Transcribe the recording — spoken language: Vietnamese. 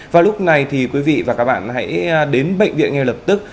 và lúc này thì quý vị và các bạn hãy đến bệnh viện ngay lập tức